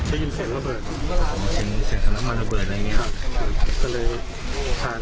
อันดับที่สุดท้ายอันดับที่สุดท้าย